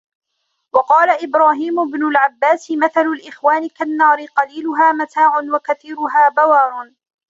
وَقَالَ إبْرَاهِيمُ بْنُ الْعَبَّاسِ مَثَلُ الْإِخْوَانِ كَالنَّارِ قَلِيلُهَا مَتَاعٌ وَكَثِيرُهَا بَوَارٌ